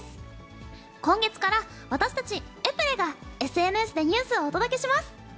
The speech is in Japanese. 今月から、私たちエプレがＳＮＳでニュースをお届けします。